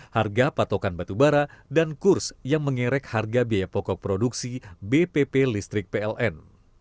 harga patokan batubara dan kurs yang mengerek harga biaya pokok produksi bpp listrik pln